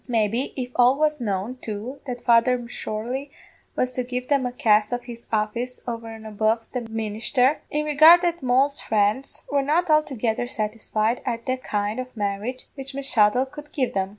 Maybe, if all was known, too, that Father M'Sorley was to give them a cast of his office over an' above the ministher, in regard that Moll's friends were not altogether satisfied at the kind of marriage which M'Shuttle could give them.